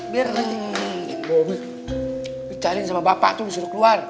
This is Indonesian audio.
biar nanti bobby bicarin sama bapak tuh disuruh keluar